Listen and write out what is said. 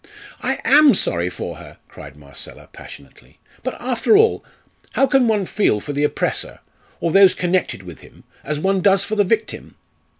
"I am sorry for her!" cried Marcella, passionately. "But, after all, how can one feel for the oppressor, or those connected with him, as one does for the victim?"